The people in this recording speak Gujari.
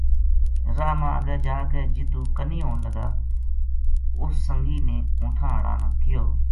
راہ ما اگے جا کے جِتُو کنی ہون لگا اس سنگی نے اونٹھاں ہاڑا نا کہیو